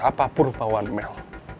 apapun pahuan mel